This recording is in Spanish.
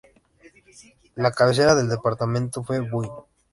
La cabecera del departamento fue Buin.